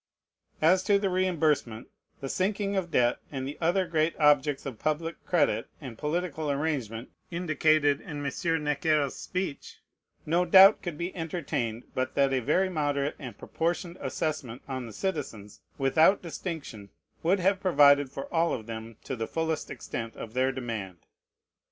As to the reimbursement, the sinking of debt, and the other great objects of public credit and political arrangement indicated in Monsieur Necker's speech, no doubt could be entertained but that a very moderate and proportioned assessment on the citizens without distinction would have provided for all of them to the fullest extent of their demand.